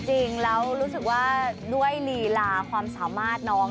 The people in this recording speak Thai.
จริงแล้วรู้สึกว่าด้วยลีลาความสามารถน้อง